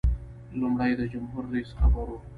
لومړی د جمهور رئیس خبر و.